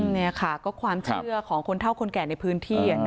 นี่ค่ะก็ความเชื่อของคนเท่าคนแก่ในพื้นที่